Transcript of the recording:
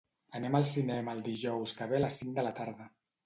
Anem al cinema el dijous que ve a les cinc de la tarda.